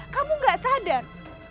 kamu nggak sadar